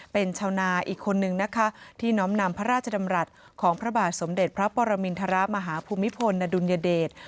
เป็นชาวนาอีกคนนึงนะคะที่น้อมนำพระราชดำรัฐของพระบาทสมเด็จพระปรมินทรมาฮภูมิพลอดุลยเดช